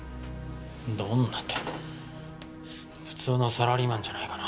どんなって普通のサラリーマンじゃないかな。